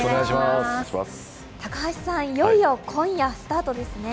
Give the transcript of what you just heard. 高橋さん、いよいよ今夜スタートですね。